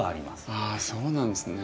あそうなんですね。